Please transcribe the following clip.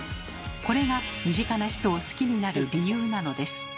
これが身近な人を好きになる理由なのです。